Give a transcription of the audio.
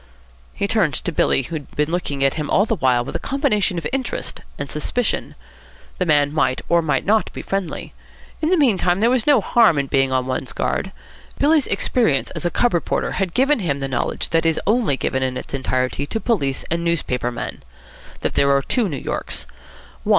He turned to Billy, who had been looking at him all the while with a combination of interest and suspicion. The man might or might not be friendly. In the meantime, there was no harm in being on one's guard. Billy's experience as a cub reporter had given him the knowledge that is only given in its entirety to police and newspaper men: that there are two New Yorks.